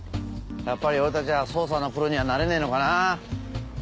やっぱり俺たちは捜査のプロにはなれねえのかな。